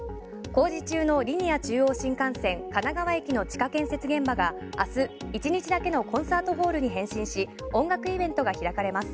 工事中のリニア中央新幹線神奈川駅の地下建設現場が明日１日だけのコンサートボールに変身し音楽イベントが開かれます。